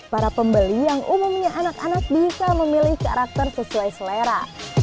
para pembeli yang umumnya anak anak bisa memilih karakter sesuai selera